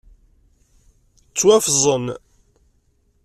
Ttwabẓen.